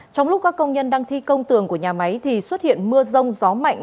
trong lúc các công nhân đang thi công tường của nhà máy thì xuất hiện mưa rông gió mạnh